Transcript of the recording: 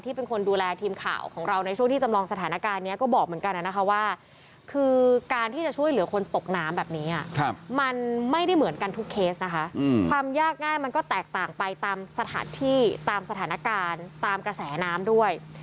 ที่เป็นคนดูแลทีมข่าวของเราในช่วงที่จำลองสถานการณ์เนี่ย